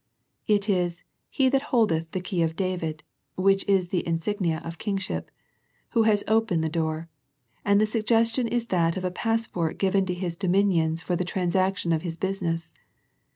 It is "He that holdeth the key of David/' which is the insignia of Kingship, Who has opened the door, and the suggestion is that of a passport given to His dominions for the transaction of His business.